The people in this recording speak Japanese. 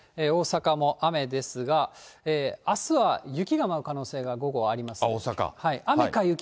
大阪も雨ですが、あすは雪が舞う可能性が、午後ありますから。